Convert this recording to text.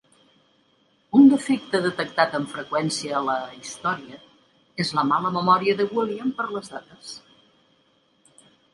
Un defecte detectat amb freqüència a la "Historia" és la mala memòria de William per les dates.